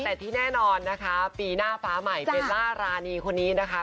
แต่ที่แน่นอนนะคะปีหน้าฟ้าใหม่เบลล่ารานีคนนี้นะคะ